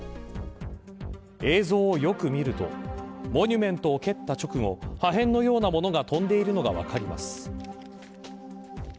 映像をよく見るとモニュメントを蹴った直後破片のようなものが飛んでいるのが分かります。